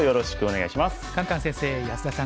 カンカン先生安田さん